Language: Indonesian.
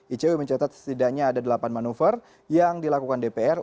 icw mencatat setidaknya ada delapan manuver yang dilakukan dpr